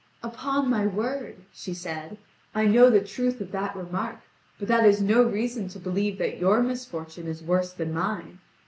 "Upon my word," she said, "I know the truth of that remark; but that is no reason to believe that your misfortune is worse than mine.